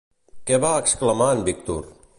Què va exclamar en Víctor?